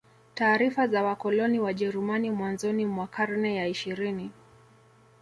Taarifa za wakoloni Wajerumani mwanzoni mwa karne ya ishirini